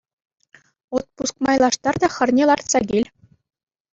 Отпуск майлаштар та хӗрне лартса кил.